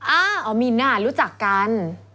อ้าวมีน่ะรู้จักกัน